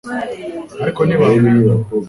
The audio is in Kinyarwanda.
ariko ntibamwenyura